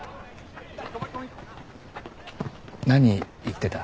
何言ってた？